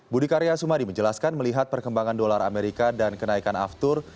budi karya sumadi menjelaskan melihat perkembangan dolar amerika dan kenaikan aftur